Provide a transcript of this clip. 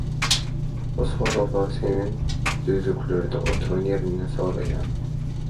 Bu soraglary senden düzlüklerde oturan ýerimden soraýan.